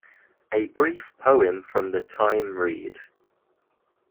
A brief poem from the time read.